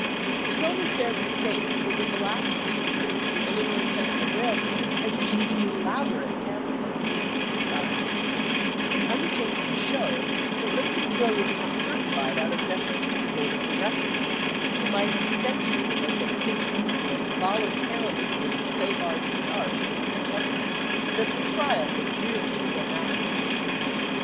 It is only fair to state that within the last few years the Illinois Central Railroad has issued an elaborate pamphlet giving its side of this case, and undertaking to show that Lincoln's bill was not certified out of deference to the board of directors, who might have censured the local offi cials for voluntarily paying so large a charge against their company, and that the trial was merely a formality.